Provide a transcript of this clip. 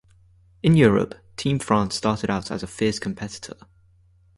In Europe, team France started out as a fierce competitor.